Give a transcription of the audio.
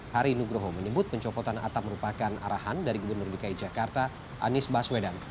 hari nugroho menyebut pencopotan atap merupakan arahan dari gubernur dki jakarta anies baswedan